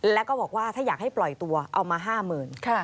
แล้วก็บอกว่าถ้าอยากให้ปล่อยตัวเอามา๕๐๐๐บาท